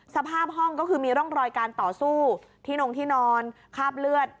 สภาพห้องก็คือมีร่องรอยการต่อสู้ที่นงที่นอนคาบเลือด